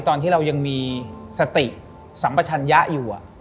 ตอนที่เรายังมีสติสัมปชัญญะอยู่